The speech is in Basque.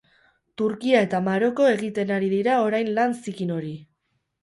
Turkia eta Maroko egiten ari dira orain lan zikin hori.